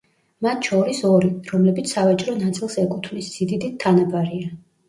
მათ შორის ორი, რომლებიც სავაჭრო ნაწილს ეკუთვნის, სიდიდით თანაბარია.